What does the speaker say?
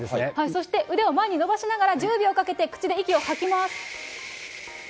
そして、腕を前に伸ばしながら、１０秒かけて口で息を吐きます。